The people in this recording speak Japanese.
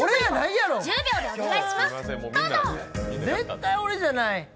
絶対俺じゃない。